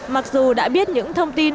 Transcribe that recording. mặc dù đã biết những thông tin